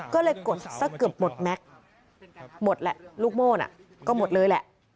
ก็เลยกดสักเกือบหมดแม็กซ์หมดแหละลูกโม่น่ะก็หมดเลยแหละ